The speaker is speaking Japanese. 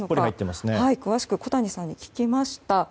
詳しく小谷さんに聞きました。